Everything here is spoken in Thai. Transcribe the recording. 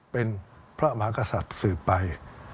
เป็นพระมหากษัตริย์สืบไป